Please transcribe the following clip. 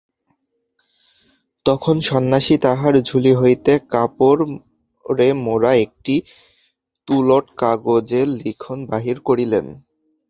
তখন সন্ন্যাসী তাঁহার ঝুলি হইতে কাপড়ে মোড়া একটি তুলট কাগজের লিখন বাহির করিলেন।